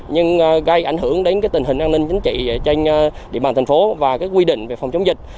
nhưng gây ảnh hưởng đến tình hình an ninh chính trị trên địa bàn thành phố và các quy định về phòng chống dịch